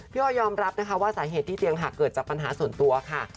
อ้อยยอมรับนะคะว่าสาเหตุที่เตียงหักเกิดจากปัญหาส่วนตัวค่ะ